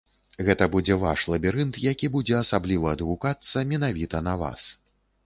Гэта будзе ваш лабірынт, які будзе асабліва адгукацца менавіта на вас.